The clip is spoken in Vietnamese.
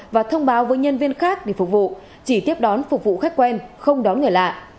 và thông báo với nhân viên khác để phục vụ chỉ tiếp đón phục vụ khách quen không đón người lạ